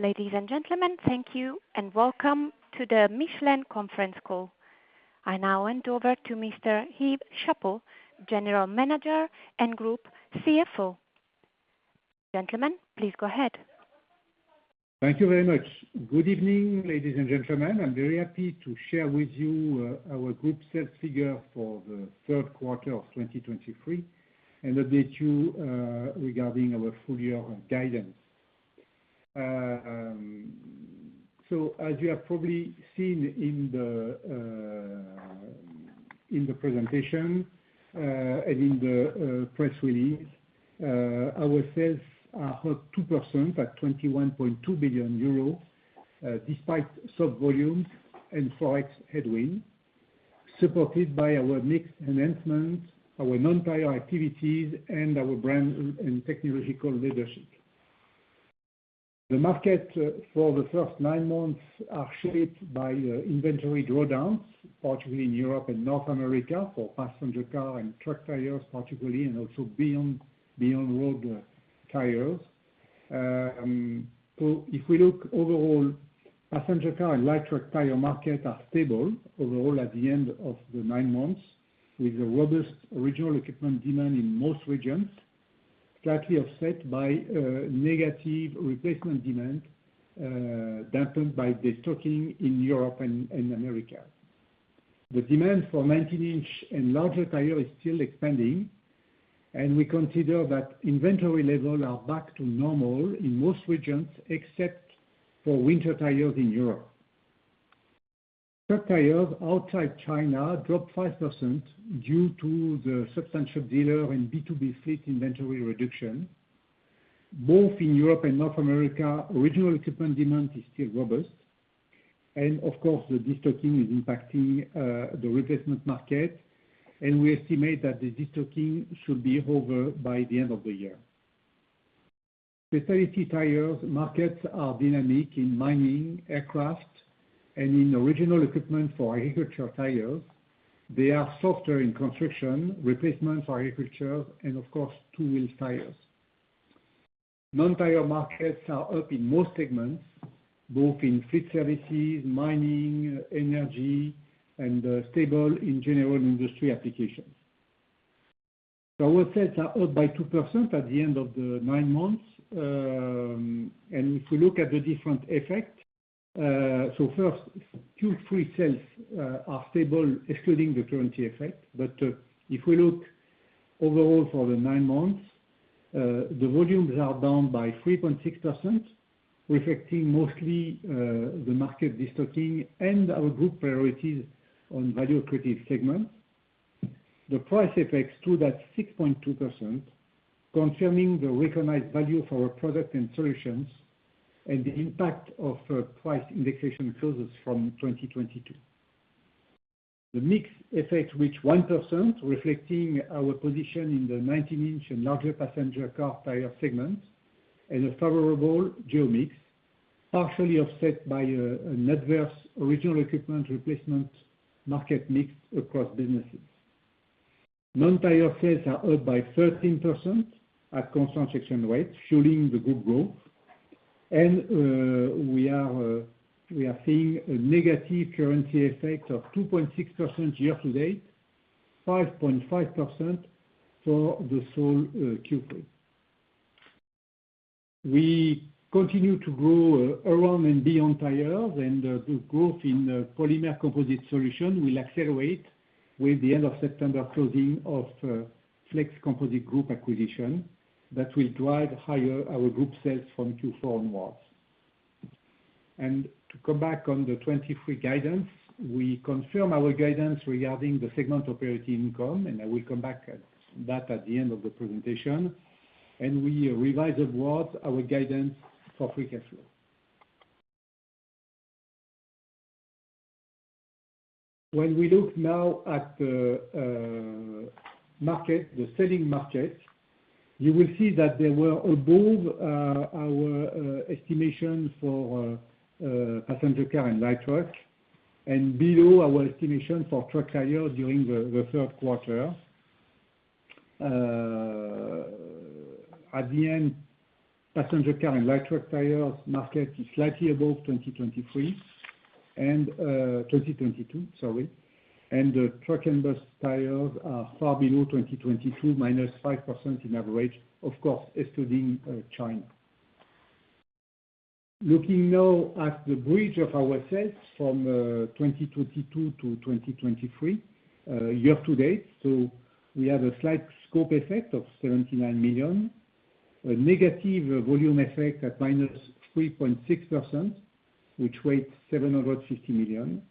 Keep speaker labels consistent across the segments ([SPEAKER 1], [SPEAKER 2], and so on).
[SPEAKER 1] Ladies and gentlemen, thank you, and welcome to the Michelin conference call. I now hand over to Mr. Yves Chapot, General Manager and Group CFO. Gentlemen, please go ahead.
[SPEAKER 2] Thank you very much. Good evening, ladies and gentlemen. I'm very happy to share with you our group sales figure for the third quarter of 2023, and update you regarding our full year guidance. So as you have probably seen in the presentation and in the press release, our sales are up 2% at 21.2 billion euros despite subdued volumes and Forex headwind, supported by our mix enhancement, our non-tire activities, and our brand and technological leadership. The market for the first nine months are shaped by the inventory drawdowns, particularly in Europe and North America, for passenger car and truck tires, particularly, and also beyond road tires. So if we look overall, passenger car and light truck tire market are stable overall at the end of the nine months, with a robust original equipment demand in most regions, slightly offset by negative replacement demand dampened by the stocking in Europe and America. The demand for 19-inch and larger tire is still expanding, and we consider that inventory level are back to normal in most regions, except for winter tires in Europe. Truck tires outside China dropped 5% due to the substantial dealer and B2B fleet inventory reduction. Both in Europe and North America, original equipment demand is still robust, and of course, the destocking is impacting the replacement market, and we estimate that the destocking should be over by the end of the year. Specialty tires markets are dynamic in mining, aircraft, and in original equipment for agriculture tires. They are softer in construction, replacements for agriculture and of course, two-wheel tires. Non-tire markets are up in most segments, both in fleet services, mining, energy, and stable in general industry applications. Our sales are up by 2% at the end of the nine months. And if you look at the different effects, first, Q3 sales are stable, excluding the currency effect, but if we look overall for the nine months, the volumes are down by 3.6%, reflecting mostly the market destocking and our group priorities on value creative segment. The price effects stood at 6.2%, confirming the recognized value for our product and solutions, and the impact of price indexation clauses from 2022. The mix effect reached 1%, reflecting our position in the 19-inch and larger passenger car tire segments, and a favorable geo mix, partially offset by an adverse original equipment replacement market mix across businesses. Non-tire sales are up by 13% at constant exchange rate, fueling the group growth. And we are seeing a negative currency effect of 2.6% year to date, 5.5% for the sole Q3. We continue to grow around and beyond tires, and the growth in polymer composite solution will accelerate with the end of September closing of Flex Composite Group acquisition that will drive higher our group sales from Q4 onwards. To come back on the 2023 guidance, we confirm our guidance regarding the segment operating income, and I will come back at that at the end of the presentation, and we revise onward our guidance for free cash flow. When we look now at the market, the selling market, you will see that they were above our estimation for passenger car and light truck, and below our estimation for truck tires during the third quarter. At the end, passenger car and light truck tires market is slightly above 2023, and 2022, sorry. And the truck and bus tires are far below 2022, -5% in average, of course, excluding China. Looking now at the bridge of our sales from 2022 to 2023, year to date. So we have a slight scope effect of 79 million, a negative volume effect at -3.6%, which weighs 750 million.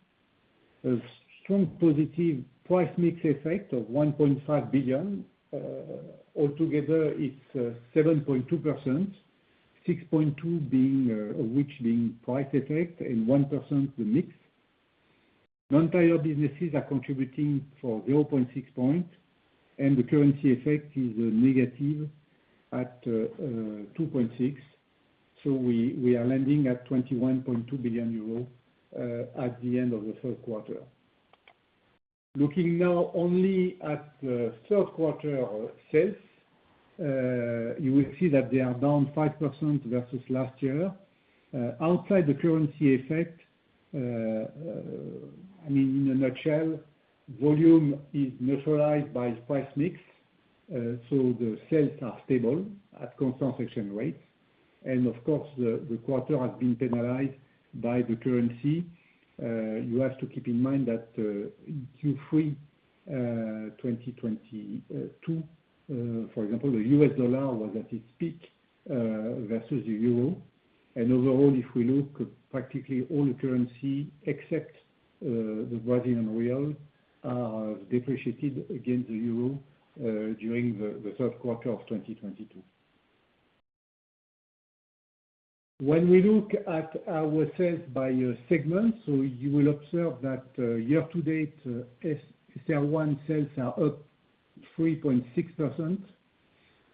[SPEAKER 2] A strong positive price mix effect of 1.5 billion. Altogether, it's 7.2%, 6.2 being, which being price effect, and 1% the mix. Non-tire businesses are contributing for 0.6 point, and the currency effect is negative at 2.6. So we are landing at 21.2 billion euros at the end of the third quarter. Looking now only at the third quarter sales, you will see that they are down 5% versus last year. Outside the currency effect, I mean, in a nutshell, volume is neutralized by price mix. So the sales are stable at constant exchange rates, and of course, the quarter has been penalized by the currency. You have to keep in mind that Q3 2022, for example, the U.S. dollar was at its peak versus the euro. Overall, if we look, practically all the currency, except the Brazilian real, depreciated against the euro during the third quarter of 2022. When we look at our sales by segment, you will observe that year to date, SR1 sales are up 3.6%,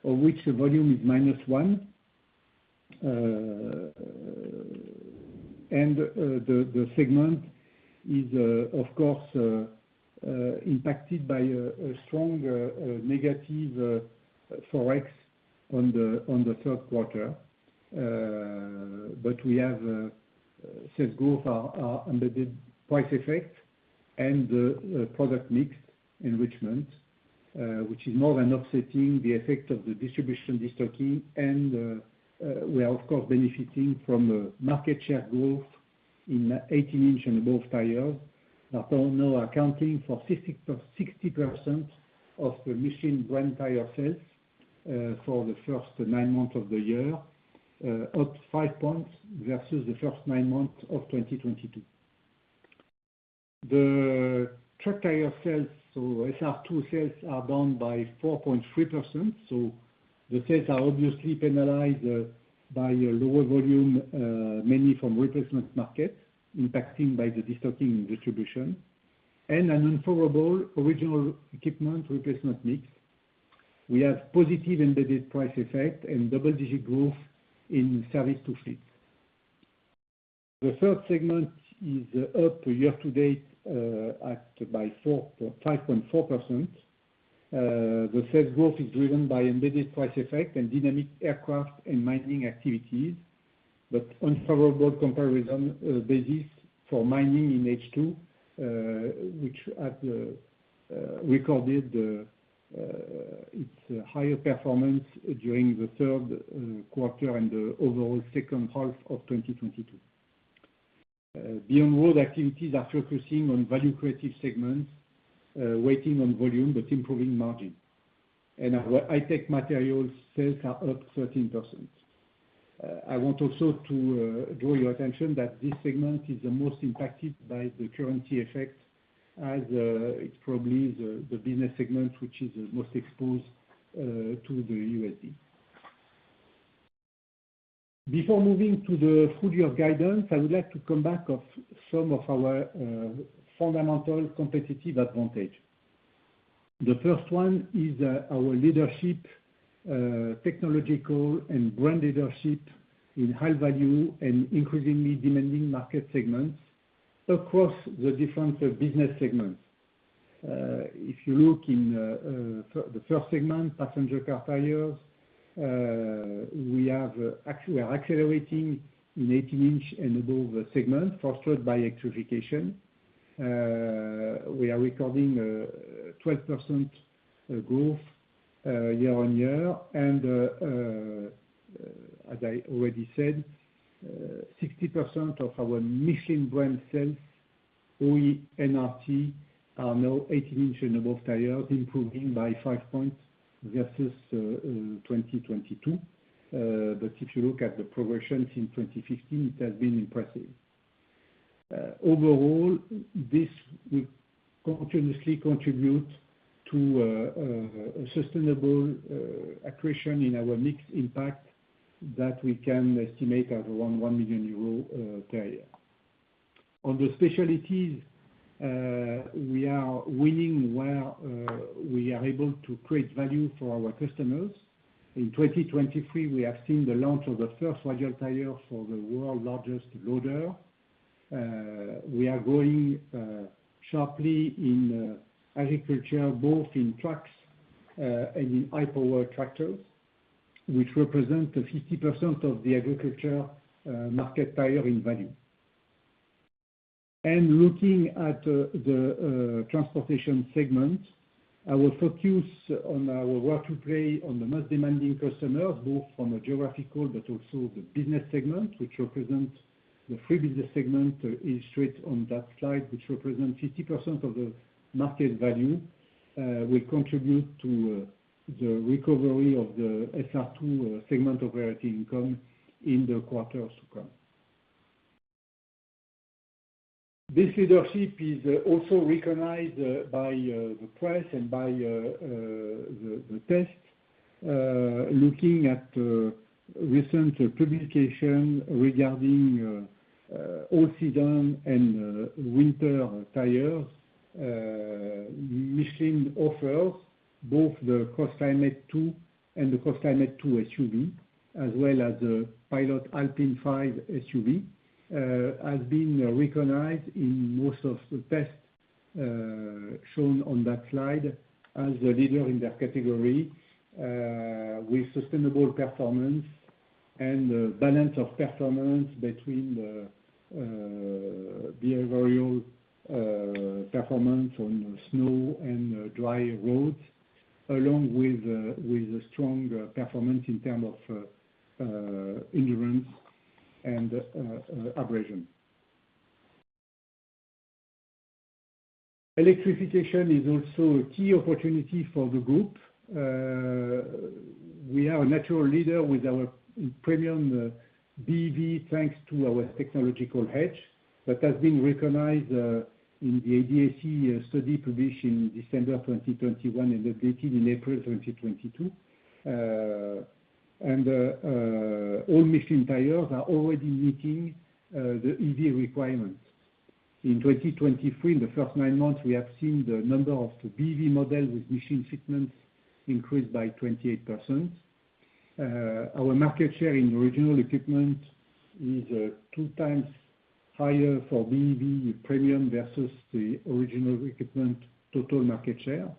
[SPEAKER 2] of which the volume is minus one. The segment is, of course, impacted by a strong negative Forex on the third quarter. But we have sales growth are embedded price effect and product mix enrichment, which is more than offsetting the effect of the distribution destocking. And we are, of course, benefiting from market share growth in 18-inch and above tires. That are now accounting for 50%-60% of the Michelin brand tire sales for the first nine months of the year, up five points versus the first nine months of 2022. The truck tire sales, so SR2 sales, are down by 4.3%. So the sales are obviously penalized by a lower volume, mainly from replacement markets, impacting by the destocking and distribution, and an unfavorable original equipment replacement mix. We have positive embedded price effect and double-digit growth in service to fleet. The third segment is up year to date by 5.4%. The sales growth is driven by embedded price effect and dynamic aircraft and mining activities, but unfavorable comparison basis for mining in H2, which recorded its higher performance during the third quarter and the overall second half of 2022. Beyond road activities are focusing on value creative segments, waiting on volume, but improving margin. And our high-tech materials sales are up 13%. I want also to draw your attention that this segment is the most impacted by the currency effect, as it's probably the business segment which is the most exposed to the USD. Before moving to the full-year guidance, I would like to come back to some of our fundamental competitive advantages. The first one is our leadership, technological and brand leadership in high-value and increasingly demanding market segments across the different business segments. If you look at the first segment, passenger car tires, we have actually, we are accelerating in 18-inch and above segment, fostered by electrification. We are recording 12% growth year-on-year. As I already said, 60% of our Michelin brand sales, OE and RT, are now 18-inch and above tire, improving by five points versus 2022. But if you look at the progression since 2015, it has been impressive. Overall, this will continuously contribute to a sustainable accretion in our mix impact that we can estimate at around 1 million euro per year. On the specialties, we are winning where we are able to create value for our customers. In 2023, we have seen the launch of the first radial tire for the world's largest loader. We are growing sharply in agriculture, both in trucks and in high power tractors, which represent the 50% of the agriculture market tire in value. Looking at the transportation segment, our focus on our role to play on the most demanding customers, both from a geographical but also the business segment, which represents the three business segment illustrated on that slide, which represent 50% of the market value, will contribute to the recovery of the SR2 segment of income in the quarter to come. This leadership is also recognized by the press and by the test. Looking at recent publication regarding all season and winter tires, Michelin offers both the CROSSCLIMATE 2 and the CROSSCLIMATE 2 SUV, as well as the Pilot Alpin 5 SUV, has been recognized in most of the tests. Shown on that slide as the leader in their category, with sustainable performance and the balance of performance between the behavioral performance on the snow and dry roads, along with a strong performance in terms of endurance and abrasion. Electrification is also a key opportunity for the group. We are a natural leader with our premium BEV, thanks to our technological edge, that has been recognized in the ADAC study published in December 2021 and updated in April 2022. All Michelin tires are already meeting the EV requirements. In 2023, in the first nine months, we have seen the number of the BEV models with Michelin shipments increased by 28%. Our market share in original equipment is two times higher for BEV premium versus the original equipment total market share.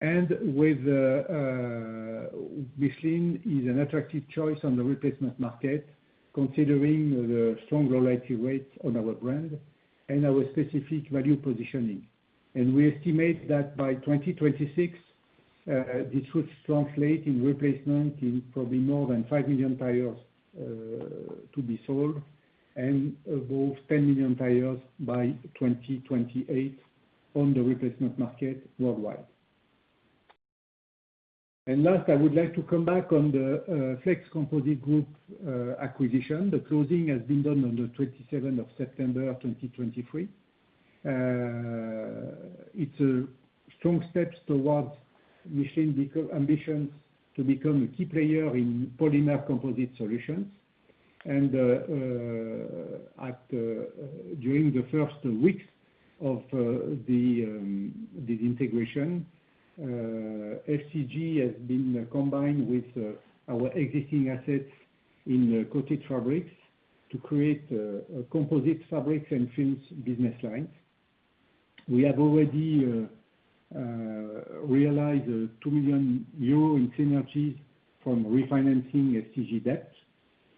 [SPEAKER 2] And with Michelin is an attractive choice on the replacement market, considering the strong loyalty rates on our brand and our specific value positioning. And we estimate that by 2026 this should translate in replacement in probably more than 5 million tires to be sold, and above 10 million tires by 2028 on the replacement market worldwide. And last, I would like to come back on the Flex Composite Group acquisition. The closing has been done on the 27th of September 2023. It's a strong steps towards Michelin's ambition to become a key player in polymer composite solutions. During the first weeks of this integration, FCG has been combined with our existing assets in the coated fabrics to create a composite fabrics and films business lines. We have already realized 2 million euro in synergies from refinancing FCG debt.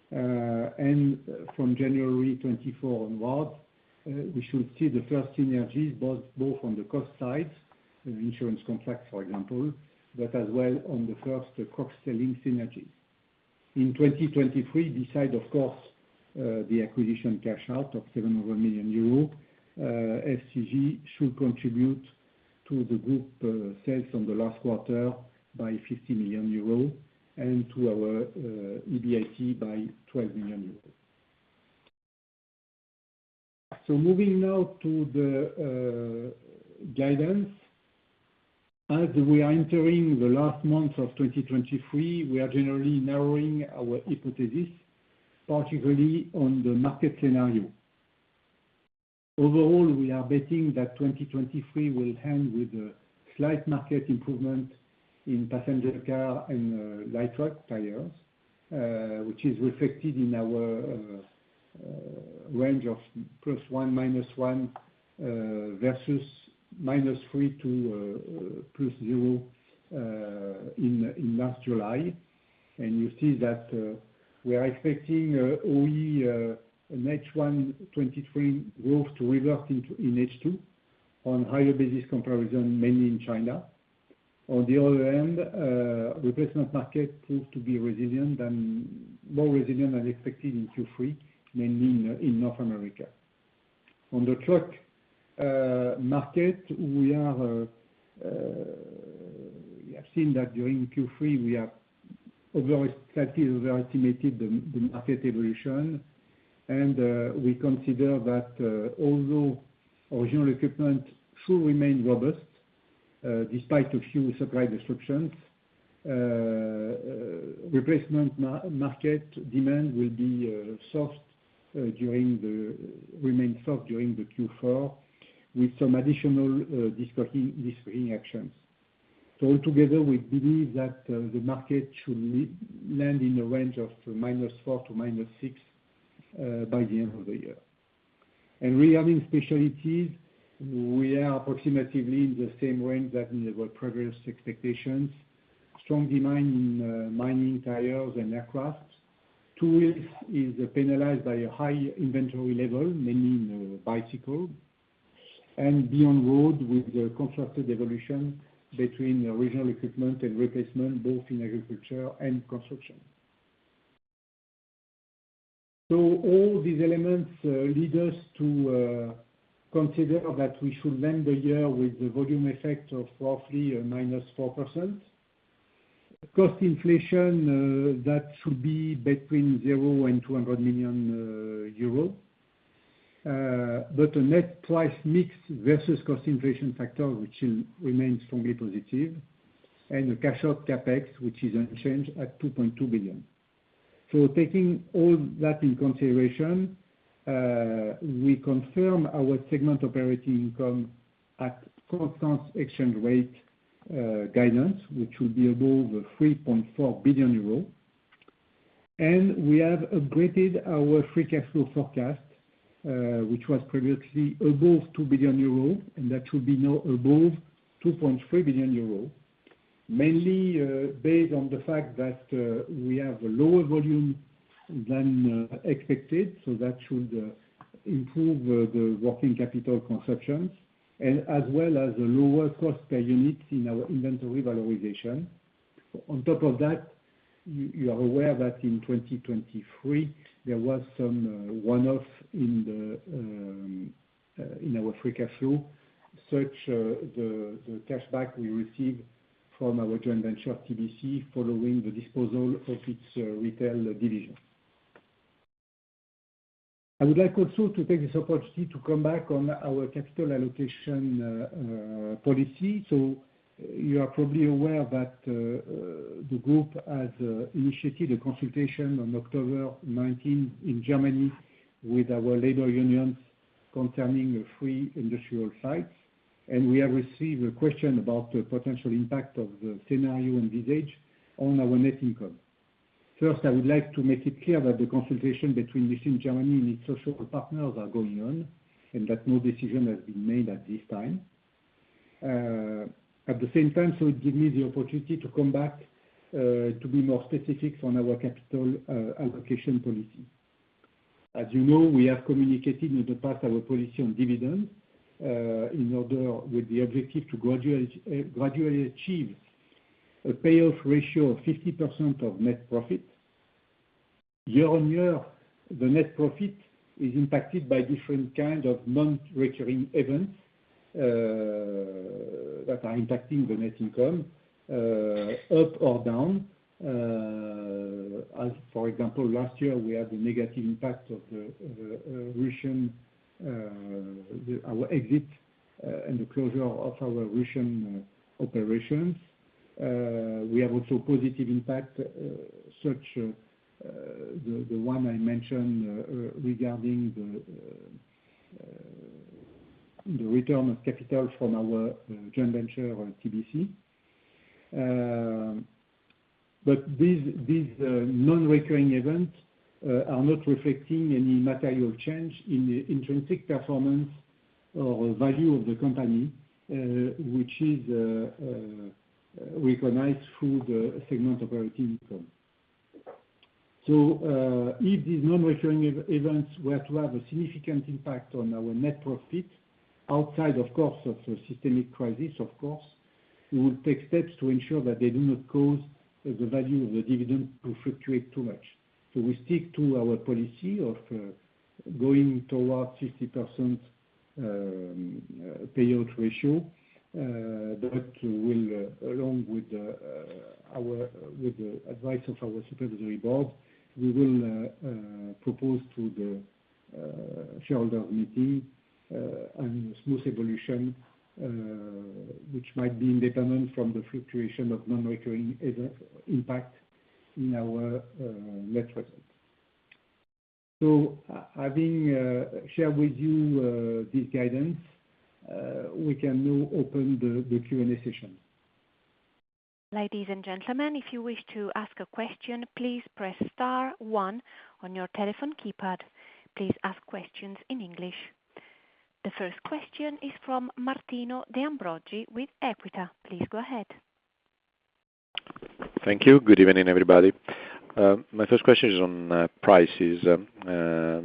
[SPEAKER 2] From January 2024 onwards, we should see the first synergies, both on the cost side, the insurance contract, for example, but as well on the first cross-selling synergies. In 2023, besides, of course, the acquisition cash out of 700 million euro, FCG should contribute to the group sales on the last quarter by 50 million euros and to our EBIT by 12 million euros. Moving now to the guidance. As we are entering the last month of 2023, we are generally narrowing our hypothesis, particularly on the market scenario. Overall, we are betting that 2023 will end with a slight market improvement in passenger car and light truck tires, which is reflected in our range of +1/-1 versus -3 to 0 in last July. And you see that we are expecting OE H1 2023 growth to revert in H2 on higher basis comparison, mainly in China. On the other hand, replacement market proved to be resilient and more resilient than expected in Q3, mainly in North America. On the truck market, we have seen that during Q3, we overestimated the market evolution. We consider that, although original equipment should remain robust, despite a few supply disruptions, replacement market demand will be soft, remain soft during the Q4, with some additional discounting actions. So altogether, we believe that the market should land in a range of -4% to -6%, by the end of the year. And regarding specialties, we are approximately in the same range that we were previous expectations. Strong demand in mining tires and aircraft. Two wheels is penalized by a high inventory level, mainly in the bicycle. And beyond road, with the constructed evolution between original equipment and replacement, both in agriculture and construction. So all these elements lead us to consider that we should end the year with the volume effect of roughly -4%. Cost inflation, that should be between 0 and 200 million euro. But the net price mix versus cost inflation factor, which will remains strongly positive, and the cash out CapEx, which is unchanged at 2.2 billion. Taking all that in consideration, we confirm our segment operating income at constant exchange rate, guidance, which will be above 3.4 billion euros. We have upgraded our free cash flow forecast, which was previously above 2 billion euro, and that should be now above 2.3 billion euro. Mainly, based on the fact that, we have a lower volume than expected, so that should improve the working capital consumption, and as well as a lower cost per unit in our inventory valorization. On top of that, you are aware that in 2023, there was some one-off in our free cash flow, such as the cash back we received from our joint venture, TBC, following the disposal of its retail division. I would like also to take this opportunity to come back on our capital allocation policy. So you are probably aware that the group has initiated a consultation on October 19 in Germany with our labor unions concerning the three industrial sites. We have received a question about the potential impact of the scenario envisaged on our net income. First, I would like to make it clear that the consultation between Michelin Germany and its social partners are going on, and that no decision has been made at this time. At the same time, so it give me the opportunity to come back to be more specific on our capital allocation policy. As you know, we have communicated in the past our policy on dividends in order with the objective to gradually achieve a payout ratio of 50% of net profit. Year-on-year, the net profit is impacted by different kind of non-recurring events that are impacting the net income up or down. As for example, last year, we had the negative impact of the Russian exit and the closure of our Russian operations. We have also positive impact such as the one I mentioned regarding the return of capital from our joint venture on TBC. But these, these, non-recurring events are not reflecting any material change in the intrinsic performance or value of the company, which is recognized through the segment operating income. So, if these non-recurring events were to have a significant impact on our net profit, outside of course of a systemic crisis, of course, we will take steps to ensure that they do not cause the value of the dividend to fluctuate too much. So we stick to our policy of going towards 60% payout ratio, that will, along with our, with the advice of our supervisory board, we will propose to the shareholder meeting, and smooth evolution, which might be independent from the fluctuation of non-recurring event impact in our net profit. So having shared with you this guidance, we can now open the Q&A session.
[SPEAKER 1] Ladies and gentlemen, if you wish to ask a question, please press star one on your telephone keypad. Please ask questions in English. The first question is from Martino De Ambroggi with Equita. Please go ahead.
[SPEAKER 3] Thank you. Good evening, everybody. My first question is on prices,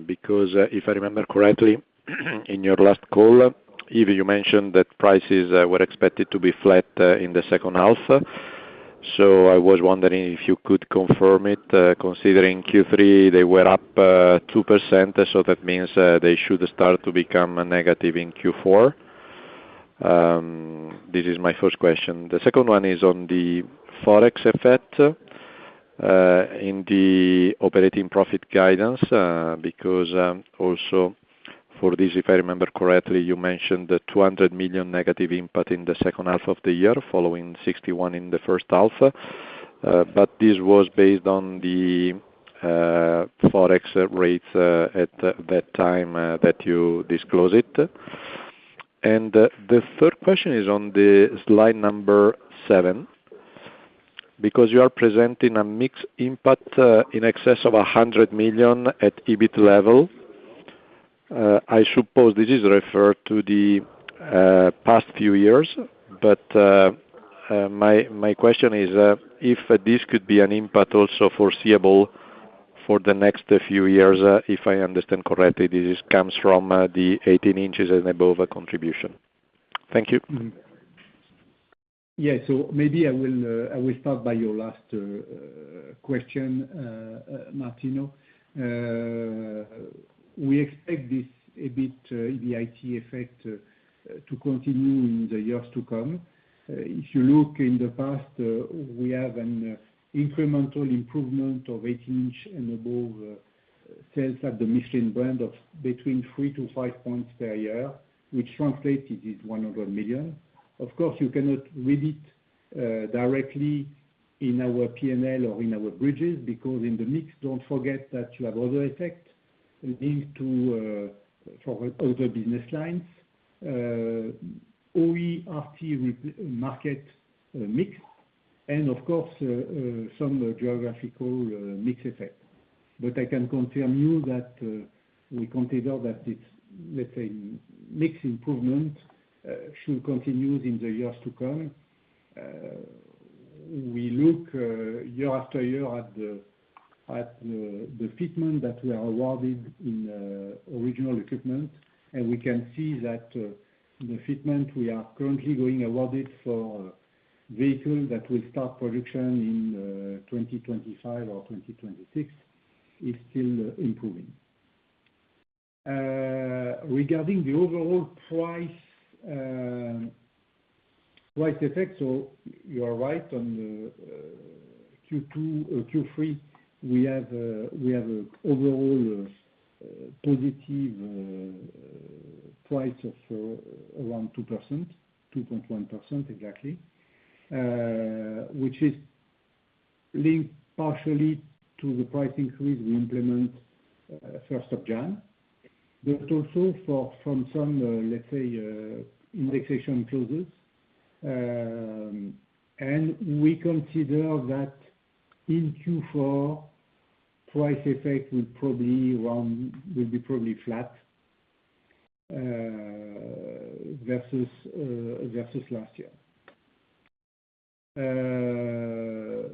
[SPEAKER 3] because, if I remember correctly, in your last call, Yves, you mentioned that prices were expected to be flat in the second half. So I was wondering if you could confirm it, considering Q3, they were up 2%, so that means they should start to become negative in Q4. This is my first question. The second one is on the Forex effect in the operating profit guidance, because also for this, if I remember correctly, you mentioned the 200 million negative impact in the second half of the year, following 61 million in the first half, but this was based on the Forex rates at that time that you disclose it. The third question is on the slide number seven, because you are presenting a mixed impact in excess of 100 million at EBIT level. I suppose this is referred to the past few years, but my question is if this could be an impact also foreseeable for the next few years. If I understand correctly, this comes from the 18 inches and above contribution. Thank you.
[SPEAKER 2] Yeah. So maybe I will start by your last question, Martino. We expect this a bit the mix effect to continue in the years to come. If you look in the past, we have an incremental improvement of 18-inch and above sales at the Michelin brand of between three to five points per year, which translates it is 100 million. Of course, you cannot read it directly in our P&L or in our bridges, because in the mix, don't forget that you have other effects linked to for other business lines, OE RT market mix, and of course some geographical mix effect. But I can confirm you that we consider that it's, let's say, mix improvement should continue in the years to come. We look year after year at the fitment that we are awarded in original equipment, and we can see that the fitment we are currently being awarded for vehicles that will start production in 2025 or 2026 is still improving. Regarding the overall price effect, so you are right on the Q2 or Q3, we have an overall positive price effect of around 2%, 2.1% exactly. Which is linked partially to the price increase we implement first of January, but also from some, let's say, indexation clauses. And we consider that in Q4, price effect will probably be flat versus last year. The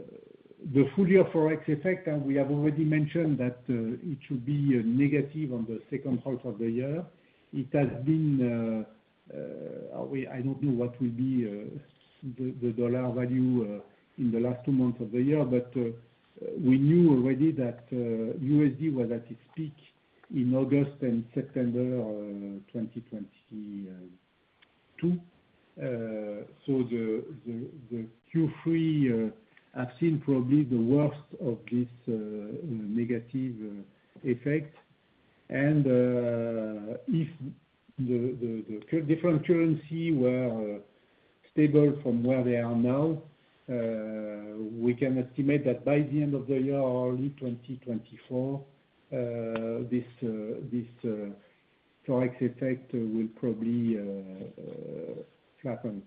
[SPEAKER 2] full year Forex effect, and we have already mentioned that, it should be negative on the second half of the year. It has been, I don't know what will be, the dollar value, in the last two months of the year, but, we knew already that, USD was at its peak in August and September, 2022. So the Q3 has seen probably the worst of this negative effect. And, if the different currency were stable from where they are now, we can estimate that by the end of the year or early 2024, this Forex effect will probably flatten.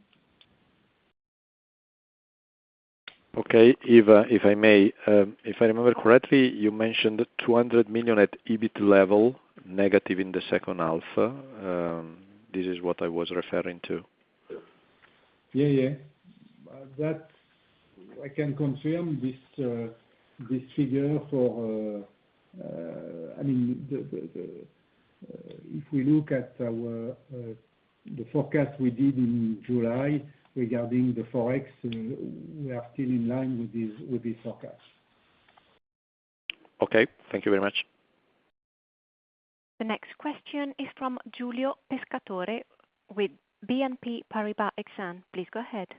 [SPEAKER 3] Okay. If, if I may, if I remember correctly, you mentioned 200 million at EBIT level, negative in the second half. This is what I was referring to.
[SPEAKER 2] Yeah, yeah. That I can confirm this figure for, I mean, if we look at our forecast we did in July regarding the Forex, we are still in line with this forecast.
[SPEAKER 3] Okay. Thank you very much.
[SPEAKER 1] The next question is from Giulio Pescatore with BNP Paribas Exane. Please go ahead.
[SPEAKER 4] Hi,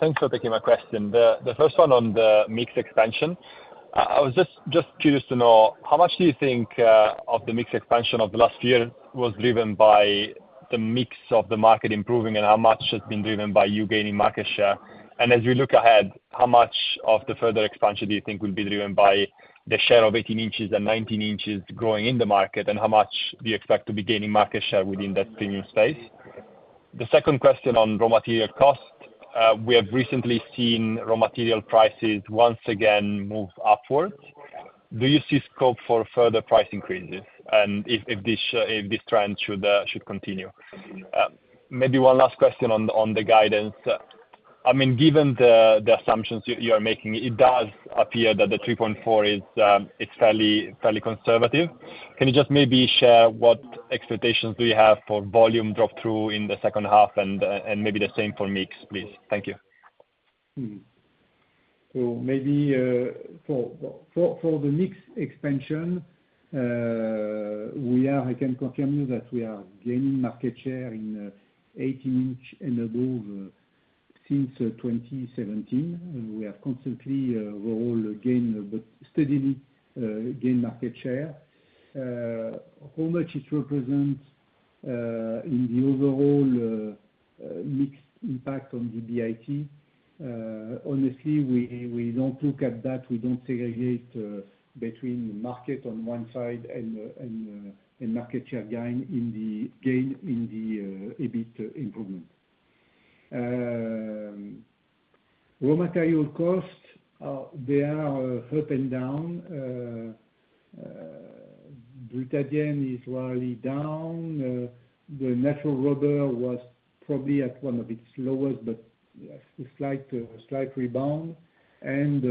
[SPEAKER 4] thanks for taking my question. The first one on the mix expansion. I was just curious to know, how much do you think of the mix expansion of the last year was driven by the mix of the market improving, and how much has been driven by you gaining market share? And as we look ahead, how much of the further expansion do you think will be driven by the share of 18 inches and 19 inches growing in the market? And how much do you expect to be gaining market share within that premium space? The second question on raw material cost. We have recently seen raw material prices once again move upwards. Do you see scope for further price increases and if this trend should continue? Maybe one last question on the guidance. I mean, given the assumptions you are making, it does appear that the 3.4 is fairly, fairly conservative. Can you just maybe share what expectations do you have for volume drop-through in the second half, and maybe the same for mix, please? Thank you.
[SPEAKER 2] So maybe for the mix expansion, we are. I can confirm you that we are gaining market share in 18-inch and above since 2017. We are constantly overall gain, but steadily gain market share. How much it represents in the overall mix impact on the EBIT? Honestly, we don't look at that. We don't segregate between the market on one side and market share gain in the gain in the EBIT improvement. Raw material costs they are up and down. Butadiene is rarely down. The natural rubber was probably at one of its lowest, but a slight rebound. And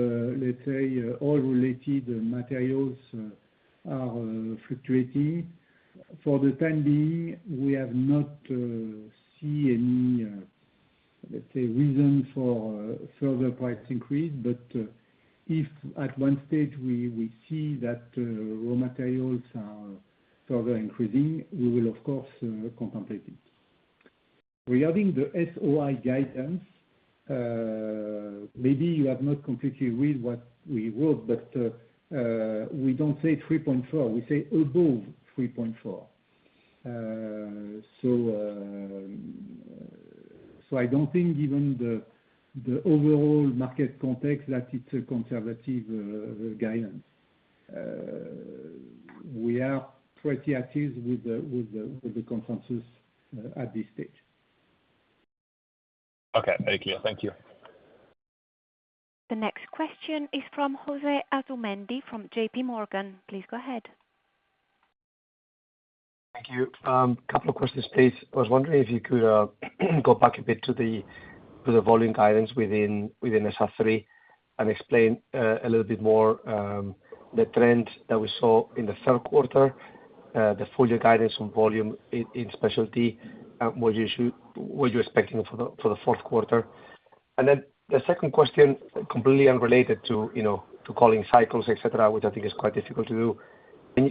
[SPEAKER 2] let's say all related materials are fluctuating. For the time being, we have not see any, let's say, reason for further price increase. But, if at one stage we, we see that, raw materials are further increasing, we will of course, contemplate it. Regarding the SOI guidance, maybe you have not completely read what we wrote, but, we don't say 3.4, we say above 3.4. So, So I don't think given the, the overall market context, that it's a conservative, guidance. We are pretty at ease with the, with the, with the consensus at this stage.
[SPEAKER 4] Okay, very clear. Thank you.
[SPEAKER 1] The next question is from Jose Asumendi, from JPMorgan. Please go ahead.
[SPEAKER 5] Thank you. Couple of questions, please. I was wondering if you could go back a bit to the volume guidance within SR3, and explain a little bit more the trend that we saw in the third quarter, the full year guidance on volume in specialty, and what you're expecting for the fourth quarter. And then the second question, completely unrelated to, you know, to calling cycles, et cetera, which I think is quite difficult to do.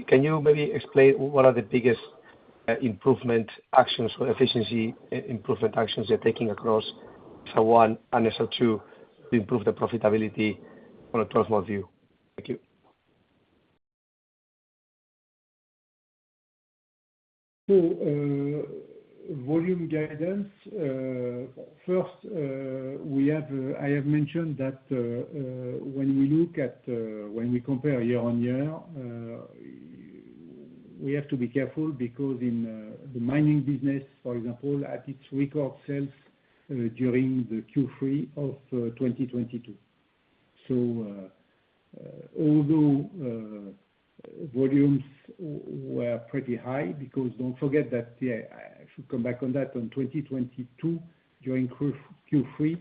[SPEAKER 5] Can you maybe explain what are the biggest improvement actions or efficiency improvement actions you're taking across SR1 and SR2 to improve the profitability on a 12-month view? Thank you.
[SPEAKER 2] Volume guidance, first, we have, I have mentioned that, when we look at, when we compare year-on-year, we have to be careful because in the mining business, for example, at its record sales during the Q3 of 2022. So, although volumes were pretty high, because don't forget that, yeah, I should come back on that, on 2022, during Q3,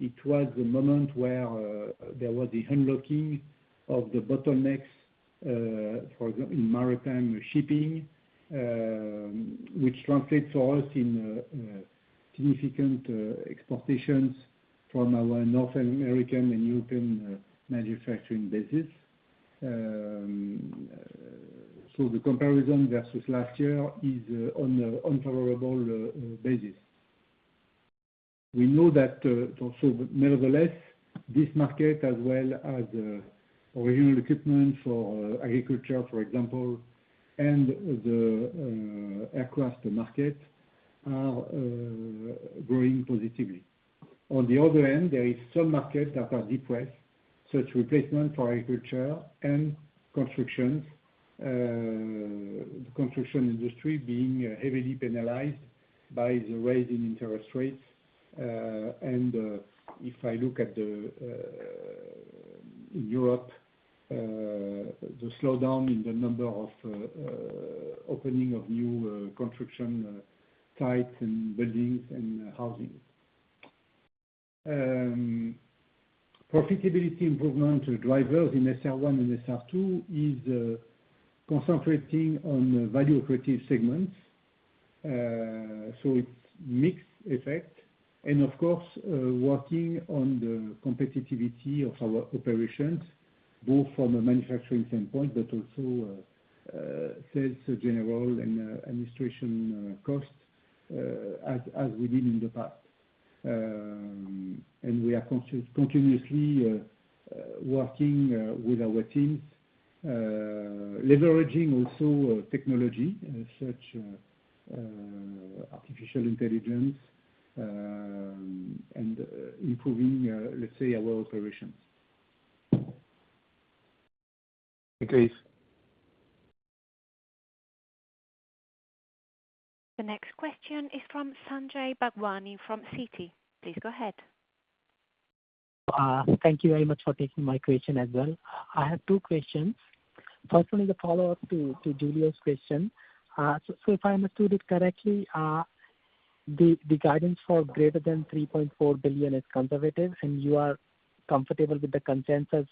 [SPEAKER 2] it was the moment where there was the unlocking of the bottlenecks, for example in maritime shipping, which translates for us in significant exports from our North American and European manufacturing bases. So the comparison versus last year is on an unfavorable basis. We know that, also nevertheless, this market as well as original equipment for agriculture, for example, and the aircraft market are growing positively. On the other end, there is some markets that are depressed, such replacement for agriculture and construction. The construction industry being heavily penalized by the rise in interest rates. If I look at the in Europe, the slowdown in the number of opening of new construction sites and buildings and housing. Profitability improvement drivers in SR1 and SR2 is concentrating on value creative segments. So it's mixed effect and of course, working on the competitiveness of our operations, both from a manufacturing standpoint but also sales, general, and administration costs, as we did in the past. We are continuously working with our teams, leveraging also technology such as artificial intelligence, and improving, let's say, our operations.
[SPEAKER 5] Thanks.
[SPEAKER 1] The next question is from Sanjay Bhagwani, from Citi. Please go ahead.
[SPEAKER 6] Thank you very much for taking my question as well. I have two questions. Firstly, the follow-up to Giulio question. So if I understood it correctly, the guidance for greater than 3.4 billion is conservative, and you are comfortable with the consensus,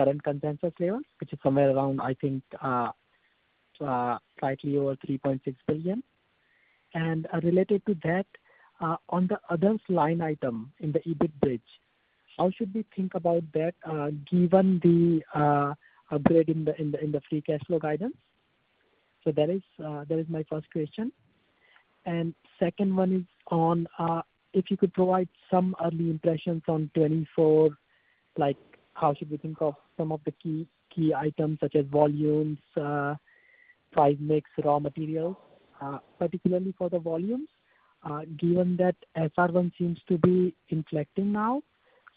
[SPEAKER 6] current consensus level, which is somewhere around, I think, slightly over 3.6 billion. Related to that, on the others line item in the EBIT bridge, how should we think about that, given the upgrade in the free cash flow guidance? So that is my first question. And second one is on if you could provide some early impressions on 2024, like, how should we think of some of the key, key items such as volumes, price mix, raw materials, particularly for the volumes, given that SR1 seems to be inflecting now.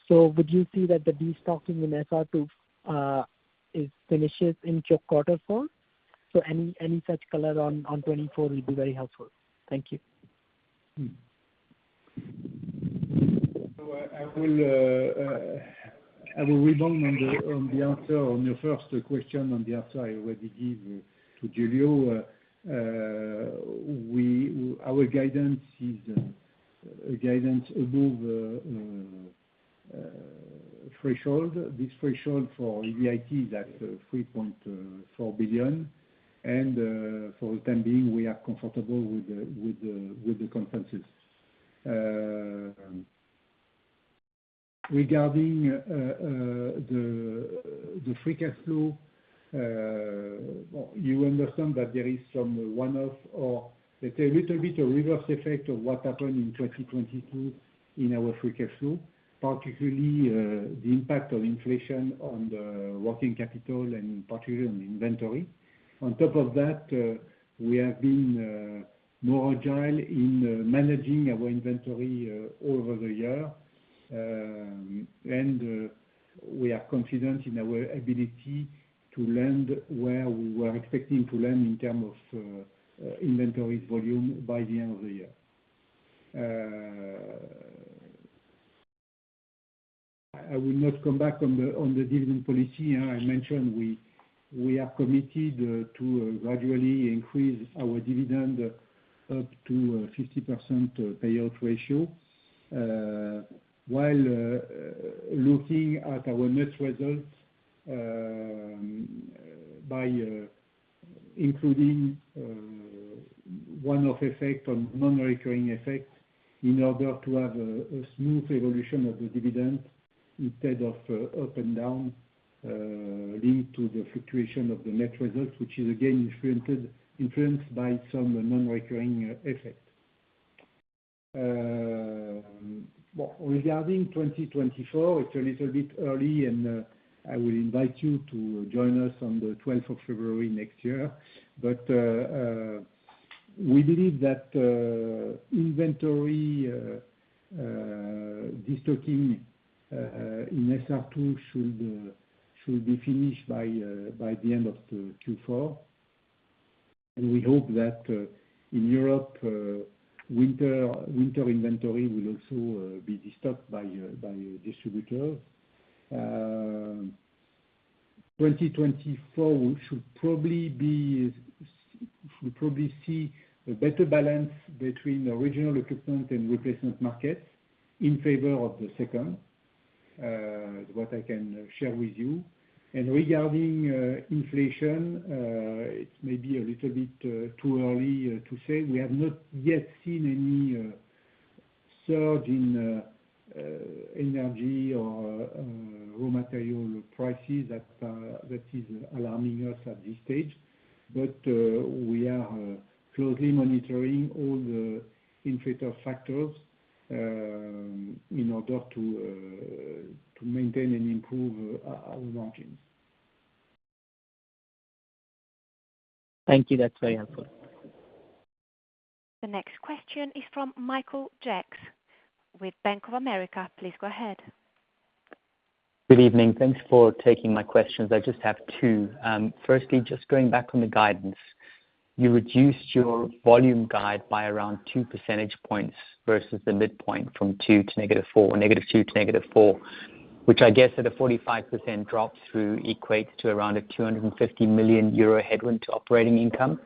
[SPEAKER 6] So would you say that the destocking in SR2 is finishes in Q4? So any, any such color on 2024 will be very helpful. Thank you.
[SPEAKER 2] So I will, I will return on the, on the answer on your first question, on the answer I already gave to Julio. Our guidance is a guidance above threshold. This threshold for EBIT, that's three point four billion, and for the time being, we are comfortable with the consensus. Regarding the free cash flow, you understand that there is some one-off or let's say a little bit of reverse effect of what happened in 2022? In our free cash flow, particularly the impact of inflation on the working capital and particularly on inventory. On top of that, we have been more agile in managing our inventory over the year. We are confident in our ability to land where we were expecting to land in terms of inventories volume by the end of the year. I will not come back on the dividend policy. I mentioned we are committed to gradually increase our dividend up to 50% payout ratio. While looking at our net results by including one-off effect on non-recurring effect, in order to have a smooth evolution of the dividend instead of up and down linked to the fluctuation of the net results, which is again influenced by some non-recurring effect. Well, regarding 2024, it's a little bit early, and I will invite you to join us on the twelfth of February next year. But we believe that inventory de-stocking in SR2 should be finished by the end of the Q4. And we hope that in Europe winter inventory will also be de-stocked by distributor. 2024 should probably be, we probably see a better balance between the original equipment and replacement markets in favor of the second, what I can share with you. And regarding inflation, it may be a little bit too early to say. We have not yet seen any surge in energy or raw material prices that is alarming us at this stage. But we are closely monitoring all the inflation factors in order to maintain and improve our margins.
[SPEAKER 6] Thank you. That's very helpful.
[SPEAKER 1] The next question is from Michael Jacks with Bank of America. Please go ahead.
[SPEAKER 7] Good evening. Thanks for taking my questions. I just have two. Firstly, just going back on the guidance, you reduced your volume guide by around two percentage points versus the midpoint from two to -4, -2 to -4, which I guess at a 45% drop through equates to around a 250 million euro headwind to operating income.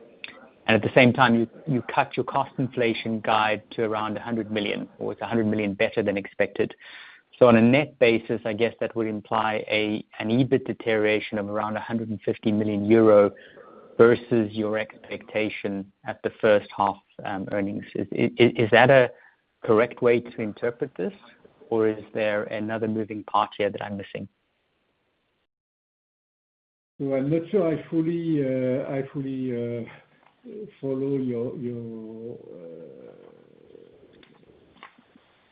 [SPEAKER 7] And at the same time, you cut your cost inflation guide to around a 100 million, or it's a 100 million better than expected. So on a net basis, I guess that would imply an EBIT deterioration of around a 150 million euro versus your expectation at the first half earnings. Is that a correct way to interpret this, or is there another moving part here that I'm missing?
[SPEAKER 2] Well, I'm not sure I fully follow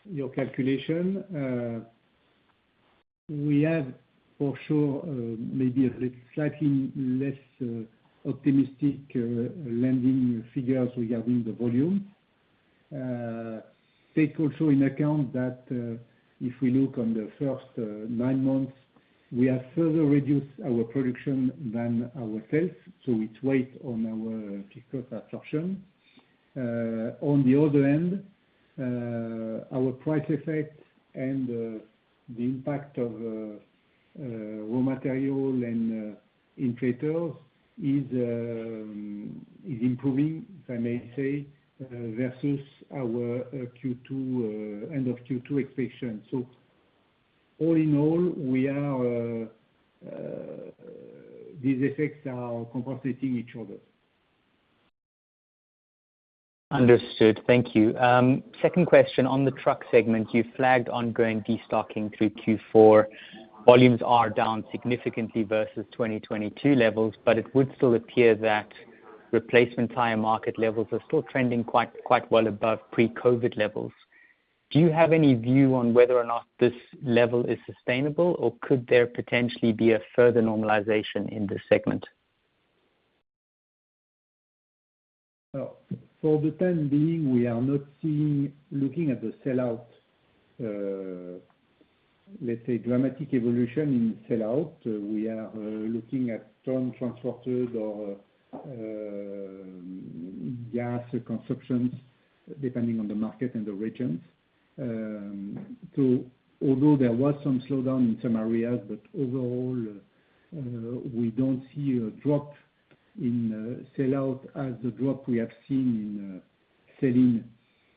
[SPEAKER 2] your calculation. We have for sure, maybe a slightly less optimistic landing figures regarding the volume. Take also into account that, if we look on the first nine months, we have further reduced our production than our sales, so it weighs on our fixed cost absorption. On the other hand, our price effect and the impact of raw material and inflation is improving, if I may say, versus our Q2 end of Q2 expectations. So all in all, these effects are compensating each other.
[SPEAKER 7] Understood. Thank you. Second question, on the truck segment, you flagged ongoing de-stocking through Q4. Volumes are down significantly versus 2022 levels, but it would still appear that replacement tire market levels are still trending quite, quite well above pre-COVID levels. Do you have any view on whether or not this level is sustainable, or could there potentially be a further normalization in this segment?
[SPEAKER 2] Well, for the time being, we are not seeing, looking at the sellout, let's say dramatic evolution in sellout. We are looking at ton transporters or gas consumptions, depending on the market and the regions. So although there was some slowdown in some areas, but overall, we don't see a drop in sellout as the drop we have seen in selling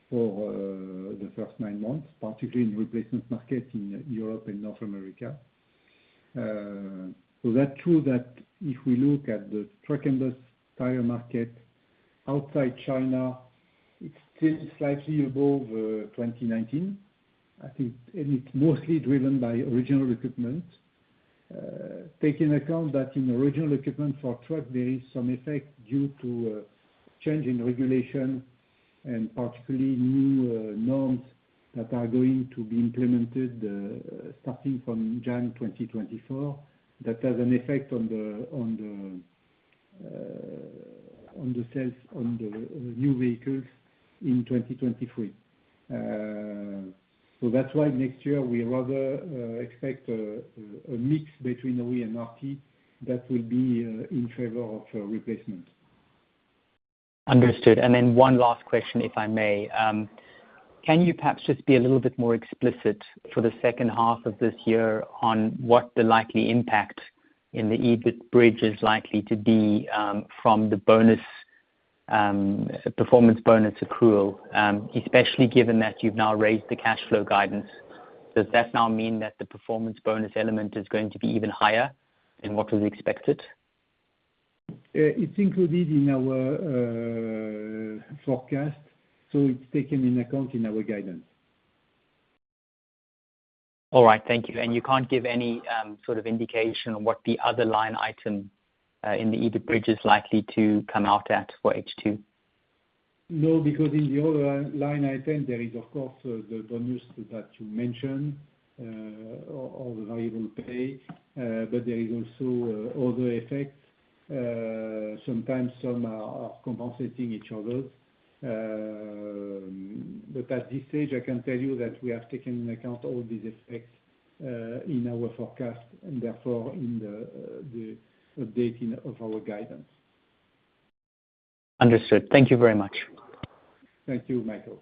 [SPEAKER 2] for the first nine months, particularly in replacement market in Europe and North America. So that's true that if we look at the truck and bus tire market outside China, it's still slightly above 2019, I think, and it's mostly driven by original equipment. Take into account that in the original equipment for truck, there is some effect due to change in regulation, and particularly new norms that are going to be implemented starting from January 2024. That has an effect on the sales on the new vehicles in 2023. So that's why next year we rather expect a mix between OE and RT that will be in favor of replacement.
[SPEAKER 7] Understood. One last question, if I may. Can you perhaps just be a little bit more explicit for the second half of this year on what the likely impact in the EBIT bridge is likely to be, from the bonus, performance bonus accrual? Especially given that you've now raised the cash flow guidance, does that now mean that the performance bonus element is going to be even higher than what was expected?
[SPEAKER 2] It's included in our forecast, so it's taken into account in our guidance.
[SPEAKER 7] All right. Thank you, and you can't give any, sort of indication on what the other line item, in the EBIT bridge is likely to come out at for H2?
[SPEAKER 2] No, because in the other line item, there is, of course, the bonus that you mentioned, or the variable pay, but there is also other effects. Sometimes some are compensating each other. But at this stage I can tell you that we have taken into account all these effects in our forecast, and therefore, in the updating of our guidance.
[SPEAKER 7] Understood. Thank you very much.
[SPEAKER 2] Thank you, Michael.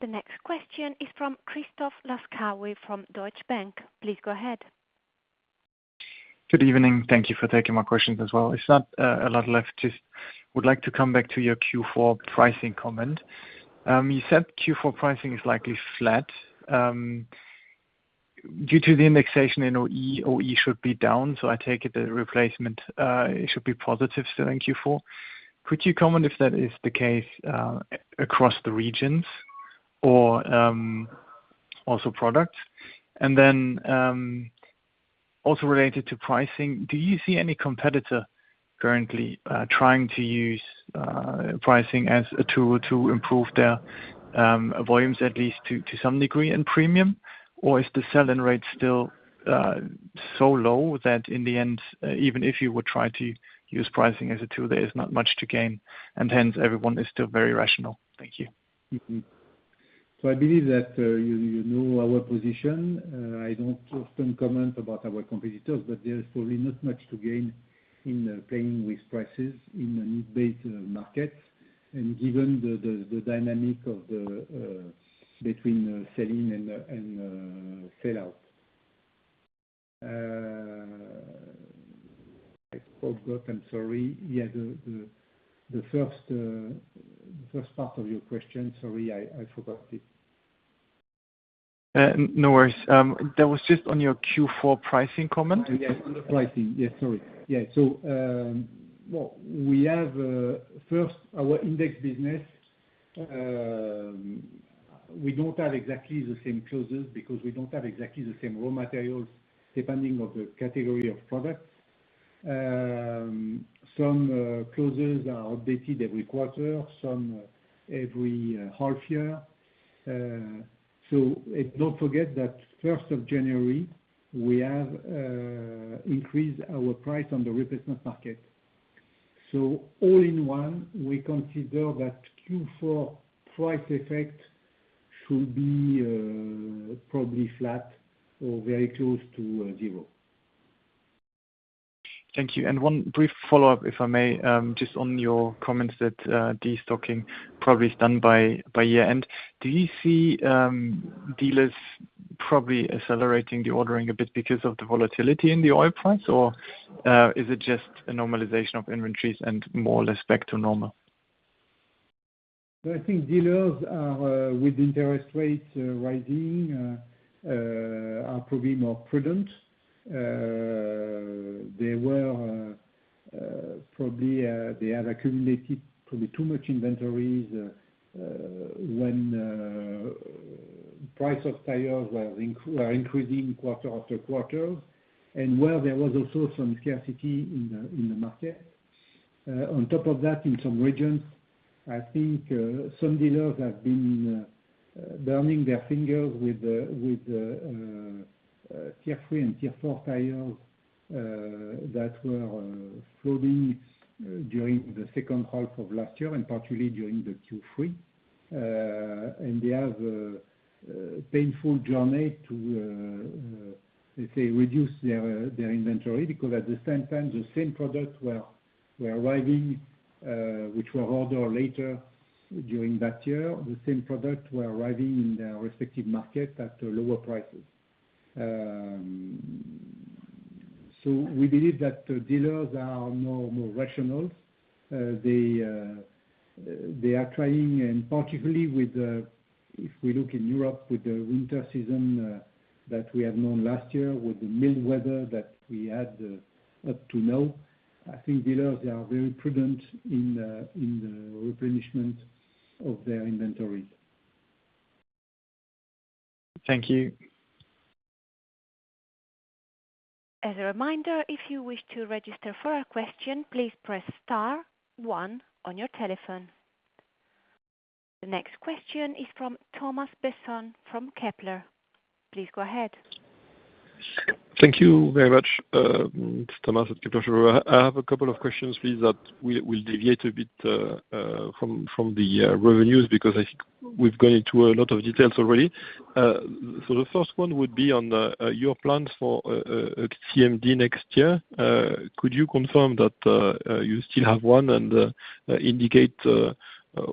[SPEAKER 1] The next question is from Christoph Laskawi from Deutsche Bank. Please go ahead.
[SPEAKER 8] Good evening. Thank you for taking my questions as well. It's not a lot left, just would like to come back to your Q4 pricing comment. You said Q4 pricing is likely flat. Due to the indexation in OE, OE should be down, so I take it the replacement it should be positive still in Q4. Could you comment if that is the case across the regions or also products? And then also related to pricing, do you see any competitor currently trying to use pricing as a tool to improve their volumes, at least to some degree in premium? Or is the selling rate still so low that in the end even if you would try to use pricing as a tool, there is not much to gain, and hence everyone is still very rational? Thank you.
[SPEAKER 2] So I believe that, you know our position. I don't often comment about our competitors, but there's probably not much to gain in playing with prices in a need-based market, and given the dynamic between selling and sell out. I forgot, I'm sorry. Yeah, the first part of your question, sorry, I forgot it.
[SPEAKER 8] No worries. That was just on your Q4 pricing comment.
[SPEAKER 2] Yes, on the pricing. Yeah, sorry. Yeah. So, well, we have first our index business. We don't have exactly the same costs because we don't have exactly the same raw materials, depending on the category of products. Some costs are updated every quarter, some every half year. So and don't forget that first of January, we have increased our price on the replacement market. So all in all, we consider that Q4 price effect should be probably flat or very close to zero.
[SPEAKER 8] Thank you. And one brief follow-up, if I may, just on your comments that destocking probably is done by year-end. Do you see dealers probably accelerating the ordering a bit because of the volatility in the oil price? Or is it just a normalization of inventories and more or less back to normal?
[SPEAKER 2] I think dealers are, with interest rates rising, more prudent. They have accumulated probably too much inventories when price of tires were increasing quarter after quarter, and where there was also some scarcity in the market. On top of that, in some regions, I think, some dealers have been burning their fingers with the tier three and tier four tires that were flowing during the second half of last year, and particularly during the Q3. And they have a painful journey to, let's say, reduce their inventory, because at the same time, the same products were arriving, which were ordered later during that year. The same products were arriving in their respective market at lower prices. We believe that the dealers are now more rational. They are trying, and particularly with the if we look in Europe, with the winter season that we have known last year, with the mild weather that we had up to now, I think dealers, they are very prudent in the replenishment of their inventories.
[SPEAKER 8] Thank you.
[SPEAKER 1] As a reminder, if you wish to register for a question, please press star one on your telephone. The next question is from Thomas Besson from Kepler. Please go ahead.
[SPEAKER 9] Thank you very much, it's Thomas at Kepler. I have a couple of questions, please, that will deviate a bit from the revenues, because I think we've gone into a lot of details already. So the first one would be on your plans for CMD next year. Could you confirm that you still have one and indicate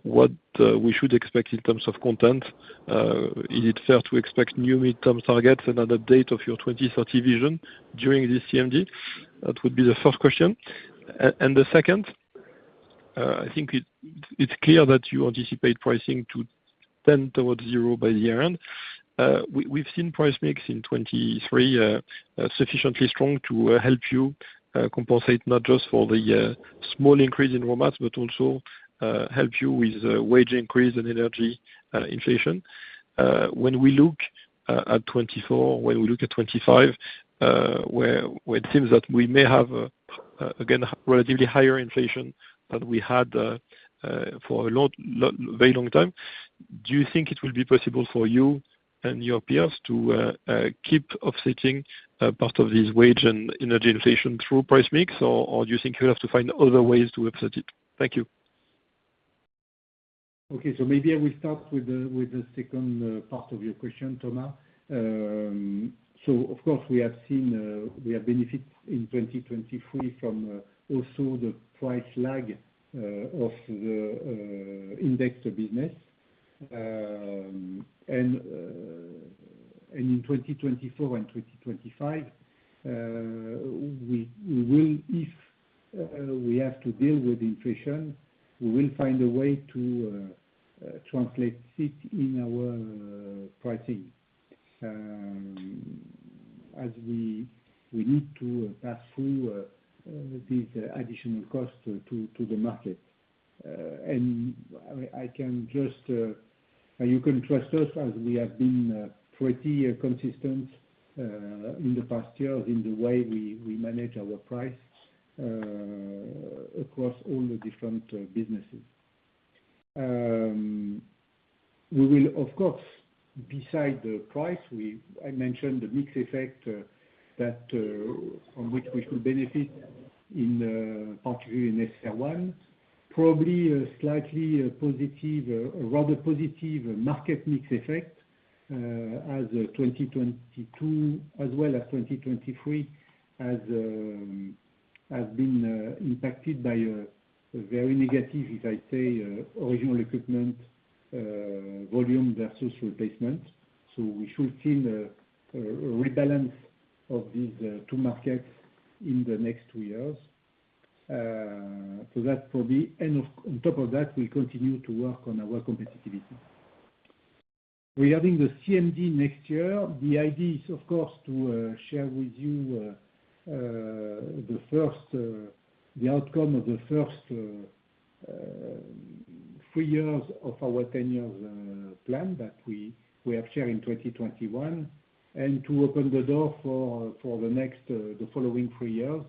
[SPEAKER 9] what we should expect in terms of content? Is it fair to expect new midterm targets another date of your 2030 vision during this CMD? That would be the first question. And the second, I think it's clear that you anticipate pricing to tend towards zero by the year-end. We've seen price mix in 2023 sufficiently strong to help you compensate not just for the small increase in raw mats, but also help you with wage increase and energy inflation. When we look at 2024, when we look at 2025, where it seems that we may have again relatively higher inflation than we had for a long, long, very long time. Do you think it will be possible for you and your peers to keep offsetting part of this wage and energy inflation through price mix? Or do you think you'll have to find other ways to offset it? Thank you.
[SPEAKER 2] Okay. So maybe I will start with the second part of your question, Thomas. So of course, we have seen benefits in 2023 from also the price lag of the index business. And in 2024 and 2025, we will, if we have to deal with inflation, find a way to translate it in our pricing. As we need to pass through these additional costs to the market. And you can trust us as we have been pretty consistent in the past year in the way we manage our price across all the different businesses. Of course, besides the price, we—I mentioned the mix effect, that from which we could benefit in, particularly in SR1, probably a slightly positive, rather positive market mix effect, as 2022, as well as 2023, has been impacted by a very negative, if I say, original equipment volume versus replacement. So we should see a rebalance of these two markets in the next two years. So that's probably. And on top of that, we continue to work on our competitiveness. Regarding the CMD next year, the idea is, of course, to share with you the outcome of the first three years of our 10-year plan that we have shared in 2021, and to open the door for the following three years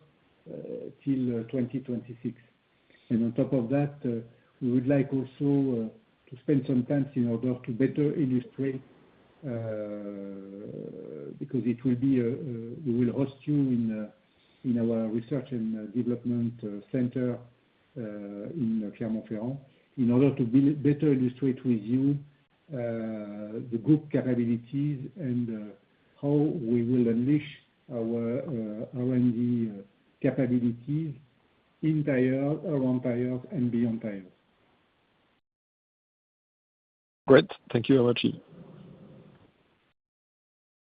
[SPEAKER 2] till 2026. On top of that, we would like also to spend some time in order to better illustrate, because it will be we will host you in our research and development center in Clermont-Ferrand, in order to better illustrate with you the group capabilities and how we will unleash our R&D capabilities in tire, around tire, and beyond tire.
[SPEAKER 9] Great. Thank you very much.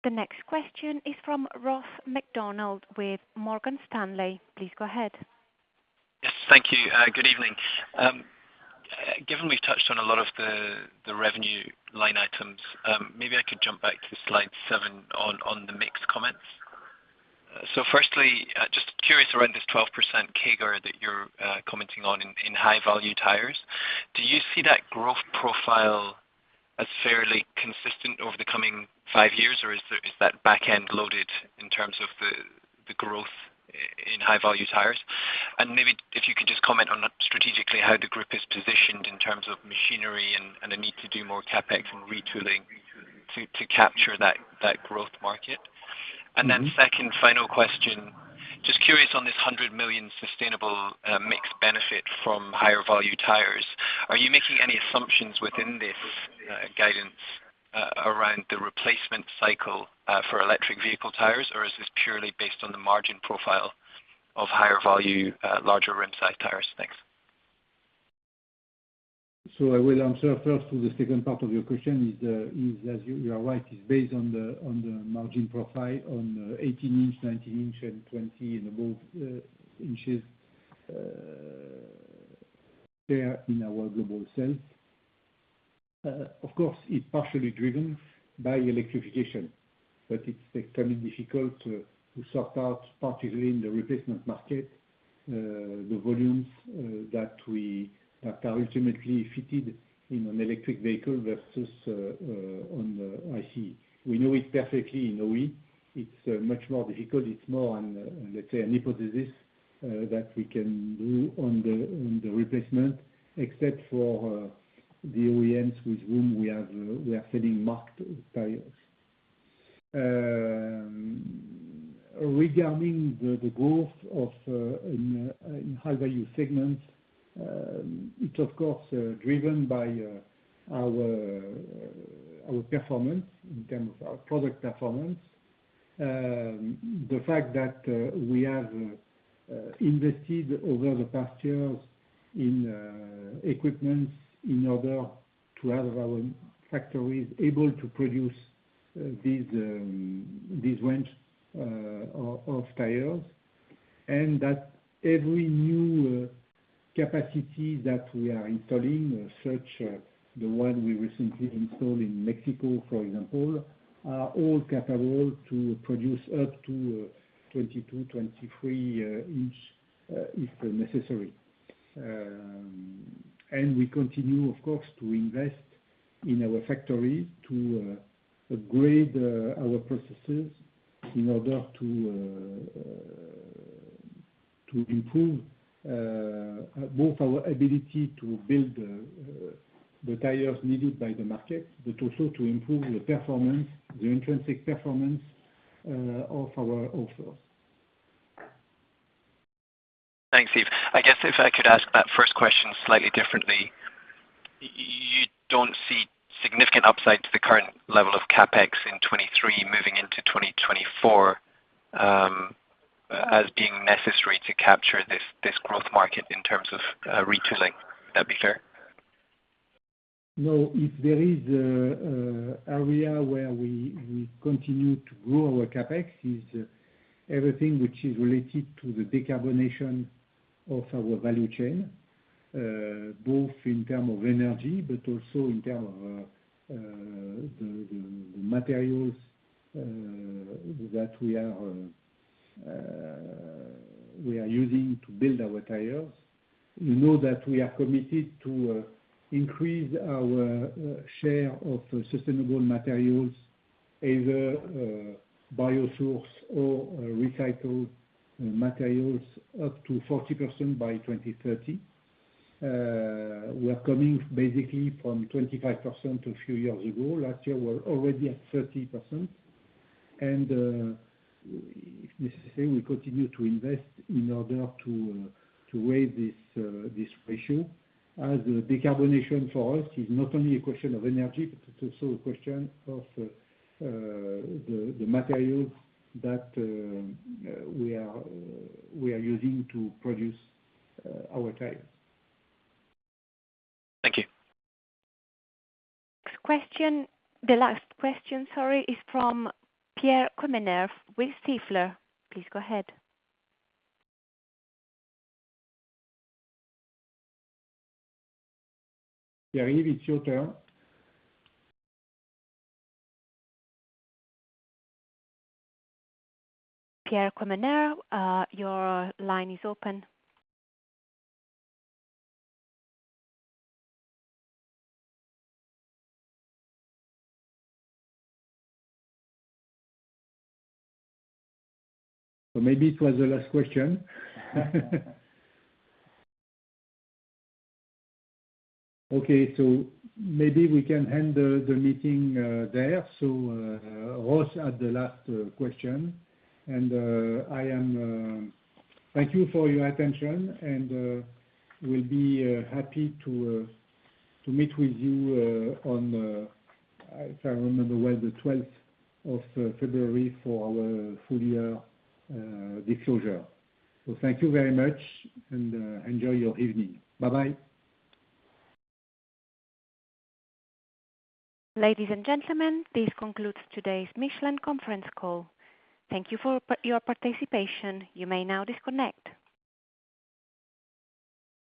[SPEAKER 1] The next question is from Ross MacDonald with Morgan Stanley. Please go ahead.
[SPEAKER 10] Yes, thank you. Good evening. Given we've touched on a lot of the revenue line items, maybe I could jump back to slide seven on the mix comments. So firstly, just curious around this 12% CAGR that you're commenting on in high value tires. Do you see that growth profile as fairly consistent over the coming five years, or is that back-end loaded in terms of the growth in high value tires? And maybe if you could just comment on strategically how the group is positioned in terms of machinery and the need to do more CapEx and retooling to capture that growth market. Second, final question. Just curious on this 100 million sustainable mix benefit from higher value tires. Are you making any assumptions within this guidance around the replacement cycle for electric vehicle tires? Or is this purely based on the margin profile of higher value larger inside tires? Thanks.
[SPEAKER 2] So I will answer first to the second part of your question, is, as you are right, based on the margin profile on 18-inch, 19-inch, and 20 and above inches there in our global sales. Of course, it's partially driven by electrification. But it's becoming difficult to sort out, particularly in the replacement market, the volumes that are ultimately fitted in an electric vehicle versus on the ICE. We know it perfectly in OE. It's much more difficult. It's more on, let's say, a hypothesis that we can do on the replacement, except for the OEMs with whom we are selling marked tires. Regarding the growth in high value segments, it's of course driven by our performance in terms of our product performance. The fact that we have invested over the past years in equipment in order to have our factories able to produce these range of tires. And that every new capacity that we are installing, such as the one we recently installed in Mexico, for example, are all capable to produce up to 22-23 each, if necessary. And we continue, of course, to invest in our factories to upgrade our processes in order to improve both our ability to build the tires needed by the market, but also to improve the performance, the intrinsic performance of our offers.
[SPEAKER 10] Thanks, Yves. I guess if I could ask that first question slightly differently. You don't see significant upside to the current level of CapEx in 2023, moving into 2024, as being necessary to capture this, this growth market in terms of, retooling? That be fair.
[SPEAKER 2] No, if there is area where we continue to grow our CapEx, is everything which is related to the decarbonation of our value chain, both in term of energy, but also in term of the materials that we are using to build our tires. You know that we are committed to increase our share of sustainable materials, either biosource or recycled materials, up to 40% by 2030. We are coming basically from 25% a few years ago. Last year, we're already at 30%. And if necessary, we continue to invest in order to to weigh this this ratio. As decarbonation for us is not only a question of energy, but it's also a question of the materials that we are using to produce our tires.
[SPEAKER 10] Thank you.
[SPEAKER 1] Next question. The last question, sorry, is from Pierre Quemener with Stifel. Please go ahead.
[SPEAKER 2] Pierre, it's your turn.
[SPEAKER 1] Pierre Quemener, your line is open.
[SPEAKER 2] So maybe it was the last question. Okay, so maybe we can end the meeting there. So, Ross had the last question, and I am. Thank you for your attention, and we'll be happy to meet with you on, if I remember well, the twelfth of February for our full year disclosure. So thank you very much, and enjoy your evening. Bye-bye.
[SPEAKER 1] Ladies and gentlemen, this concludes today's Michelin conference call. Thank you for your participation. You may now disconnect.